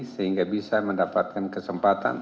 sehingga bisa mendapatkan kesempatan